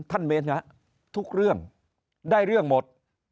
เม้นทุกเรื่องได้เรื่องหมด